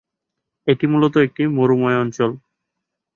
এটি মূলত একটি মরুময় অঞ্চল।